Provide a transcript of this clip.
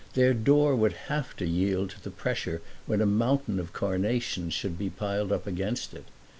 Their door would have to yield to the pressure when a mountain of carnations should be piled up against it.